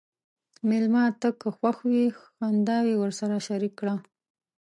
مېلمه ته که خوښ وي، خنداوې ورسره شریکه کړه.